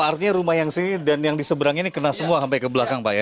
artinya rumah yang sini dan yang diseberang ini kena semua sampai ke belakang pak ya